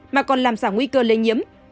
mà còn làm giảm nguy cơ lây nhiễm